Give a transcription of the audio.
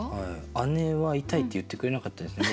姉は「イタイッ」って言ってくれなかったですね。